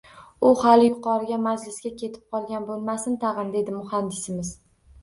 U hali yuqoriga majlisga ketib qolgan bo`lmasin tag`in, dedi muhandisimiz